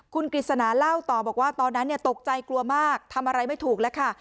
คุณกฤษณาเล่าต่อบอกว่าตอนนั้นตกใจกลัวมากทำอะไรไม่ถูกแล้วค่ะ